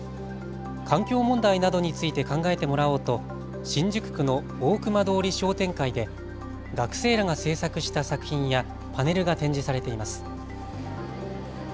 環境問題などについて考えてもらおうと新宿区の大隈通り商店会で学生らが制作した作品やパネルが展示されています。